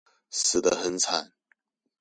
死得很慘